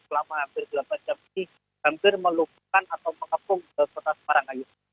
selama hampir delapan jam ini hampir melupakan atau mengepung kota semarang